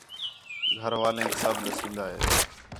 گھر والینک سب ݙسین٘داں ہِے